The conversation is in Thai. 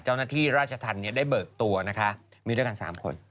เจ้าหน้าที่ราชธรรมได้เบิกตัวนะคะมีด้วยกัน๓คน